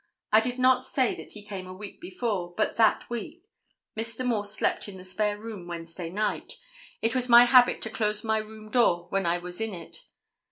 I did not say that he came a week before, but that week. Mr. Morse slept in the spare room Wednesday night. It was my habit to close my room door when I was in it.